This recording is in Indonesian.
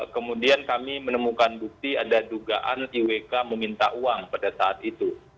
kemudian kami menemukan bukti ada dugaan iwk meminta uang pada saat itu